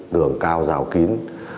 đường cao rào kín